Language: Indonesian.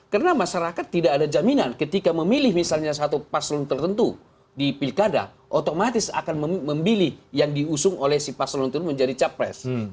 karena masyarakat tidak ada jaminan ketika memilih misalnya satu paslon tertentu di pilkada otomatis akan memilih yang diusung oleh si paslon itu menjadi cawapres